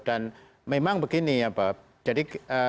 dan memang begini ya pak